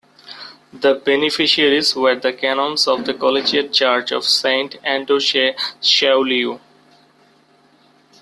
The beneficiaries were the Canons of the Collegiate Church of Saint Andoche Saulieu.